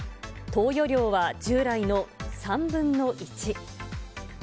投与量は従来の３分の１。